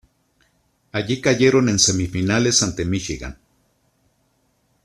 Allí cayeron en semifinales ante Michigan.